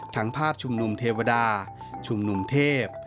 ทั้งภาพชุมนุมเทวดาชุมนุมเทพ